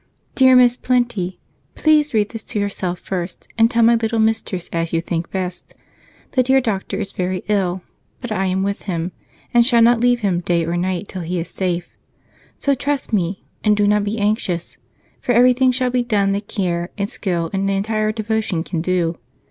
DEAR MISS PLENTY, Please read this to yourself first, and tell my little mistress as you think best. The dear doctor is very ill, but I am with him, and shall not leave him day or night till he is safe. So trust me, and do not be anxious, for everything shall be done that care and skill and entire devotion can do.